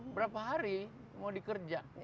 berapa hari mau dikerja